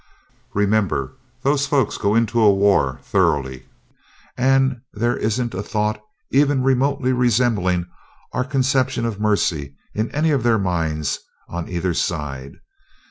Remember those folks go into a war thoroughly, and there isn't a thought, even remotely resembling our conception of mercy in any of their minds on either side.